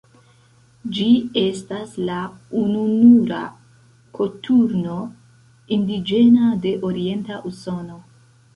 Ĝi estas la ununura koturno indiĝena de orienta Usono.